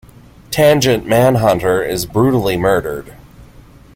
Tangent Manhunter is brutally murdered.